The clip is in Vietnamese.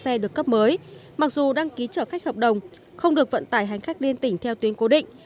xe được cấp mới mặc dù đăng ký chở khách hợp đồng không được vận tải hành khách liên tỉnh theo tuyến cố định